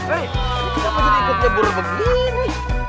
eh ini kenapa jadi ikut nyebur begini